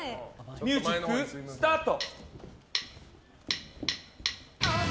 ミュージック、スタート！